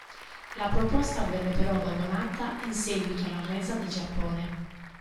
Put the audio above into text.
La proposta venne però abbandonata in seguito alla resa del Giappone.